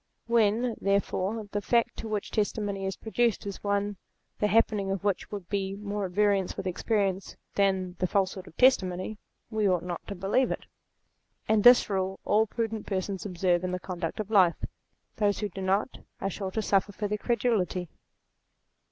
When, therefore, the fact to which testimony is produced is one the happening of which would be more at variance with experience than the falsehood of testimony, we ought not to believe it. And this rule all prudent persons observe in the conduct of life Those who do not, are sure to suffer for their credulity.